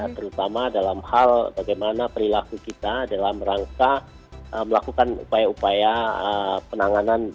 terutama dalam hal bagaimana perilaku kita dalam rangka melakukan upaya upaya penanganan